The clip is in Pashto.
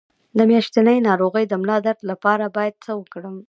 د میاشتنۍ ناروغۍ د ملا درد لپاره باید څه وکړم؟